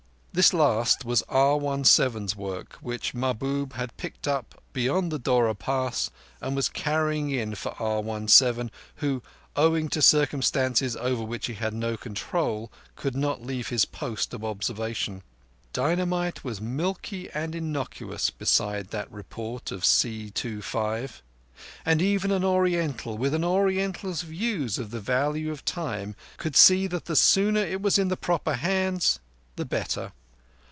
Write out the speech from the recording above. This last was R17's work, which Mahbub had picked up beyond the Dora Pass and was carrying in for R17, who, owing to circumstances over which he had no control, could not leave his post of observation. Dynamite was milky and innocuous beside that report of C25; and even an Oriental, with an Oriental's views of the value of time, could see that the sooner it was in the proper hands the better.